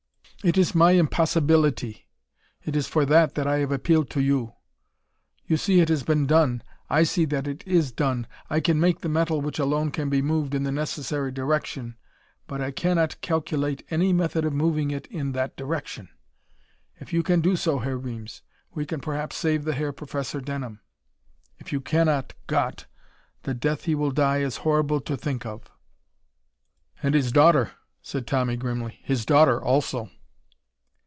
It is my impossibility! It is for that that I have appealed to you. You see it has been done. I see that it is done. I can make the metal which alone can be moved in the necessary direction. But I cannot calculate any method of moving it in that direction! If you can do so, Herr Reames, we can perhaps save the Herr Professor Denham. If you cannot Gott! The death he will die is horrible to think of!" "And his daughter," said Tommy grimly. "His daughter, also."